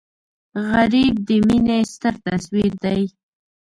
غریب د مینې ستر تصویر دی